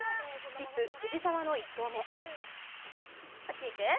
スキップ、藤澤の１投目。